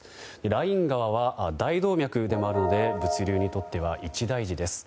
ライン川は大動脈でもあるので物流にとっては一大事です。